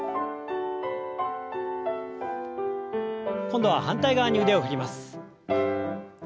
今度は反対側に腕を振ります。